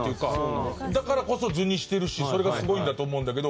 だからこそ図にしてるしそれがすごいんだと思うんだけど。